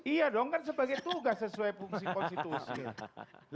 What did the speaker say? iya dong kan sebagai tugas sesuai fungsi konstitusi